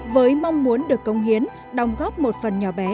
với mong muốn được công hiến đồng góp một phần nhỏ bé